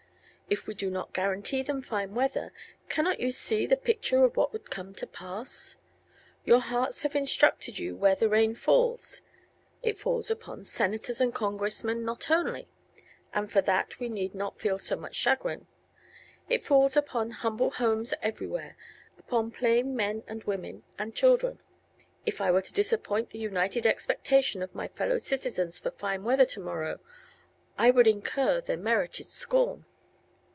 If we do not guarantee them fine weather, cannot you see the picture of what would come to pass? Your hearts have instructed you where the rain falls. It falls upon senators and congressmen not only and for that we need not feel so much chagrin it falls upon humble homes everywhere, upon plain men, and women, and children. If I were to disappoint the united expectation of my fellow citizens for fine weather to morrow I would incur their merited scorn.